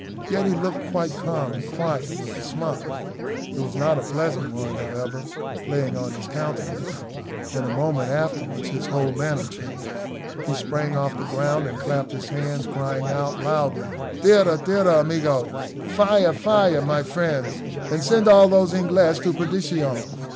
Yet he looked quite calm and quiet, with a smile it was not a pleasant one, however playing on his countenance. In a moment afterwards his whole manner changed; he sprang off the ground and clapped his hands, crying out loudly, "Tira! tira, amijos." "Fire! fire, my friends! and send all those English to perdition."